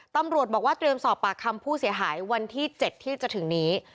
ตำรวจบอกว่าเตรียมสอบปากคำผู้เสียหายวันที่๗ที่จะถึงนี้